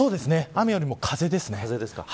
雨よりも風ですね。